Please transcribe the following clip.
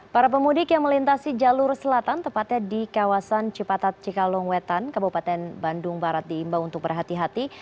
para pemudik yang melintasi jalur selatan tepatnya di kawasan cipatat cikalongwetan kabupaten bandung barat diimbau untuk berhati hati